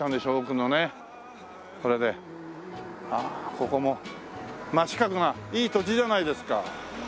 ここも真四角がいい土地じゃないですか。